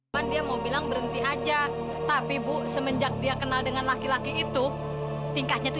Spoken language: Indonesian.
man dia mau bilang berhenti aja tapi bu semenjak dia kenal dengan laki laki itu tingkahnya itu